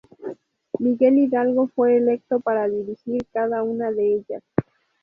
Miguel Hidalgo fue electo para dirigir cada una de ellas.